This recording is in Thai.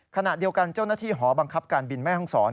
ขณะเดียวกันเจ้าหน้าที่หอบังคับการบินแม่ห้องศร